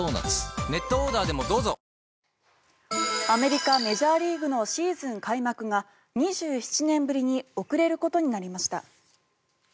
アメリカ・メジャーリーグのシーズン開幕が２７年ぶりに遅れることになりました。